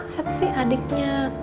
siapa sih adiknya